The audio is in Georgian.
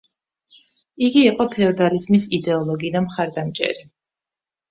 იგი იყო ფეოდალიზმის იდეოლოგი და მხარდამჭერი.